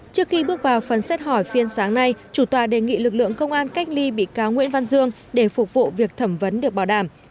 trước khi bước vào phần xét hỏi phiên sáng nay chủ tòa đề nghị lực lượng công an cách ly bị cáo nguyễn văn dương để phục vụ việc thẩm vấn được bảo đảm